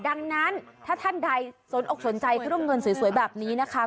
ดังนั้นถ้าท่านใดสนอกสนใจเครื่องเงินสวยแบบนี้นะคะ